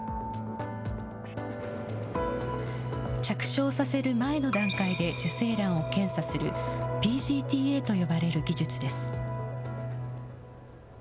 着床させる前の段階で受精卵を検査するＰＧＴーＡと呼ばれる技術です。